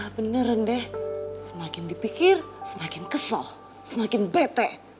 beneran deh semakin dipikir semakin kesel semakin bete